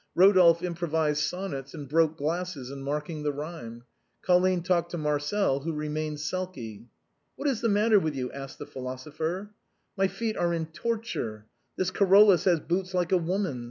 Eodolphe improvised sonnets and broke glasses in marking the rhythm. Colline talked to Marcel, who remained sulky. " What is the matter with you ?" asked the philosopher. "My feet are in torture; this Carolus has boots like a woman's."